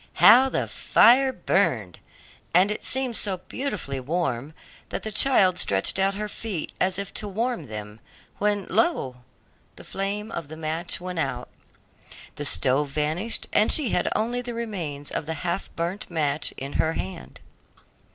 How the fire burned! and seemed so beautifully warm that the child stretched out her feet as if to warm them, when, lo! the flame of the match went out, the stove vanished, and she had only the remains of the half burnt match in her hand.